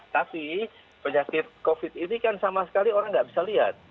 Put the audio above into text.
tapi penyakit covid ini kan sama sekali orang nggak bisa lihat